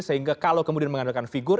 sehingga kalau kemudian mengandalkan figur